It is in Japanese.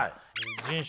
人種？